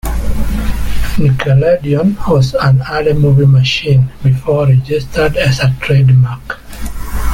"Nickelodeon" was an early movie machine before registered as a trademark.